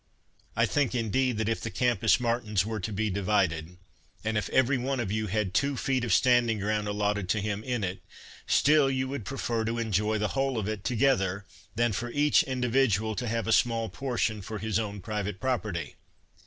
'' I think, indeed, that if the Campus Martins were to be divided, and if every one of you had two feet of standing ground allotted to him in it, still you would prefer to enjoy the whole of it together, than for each individual to have a small portion for his own private property.